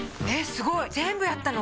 すごい全部やったの？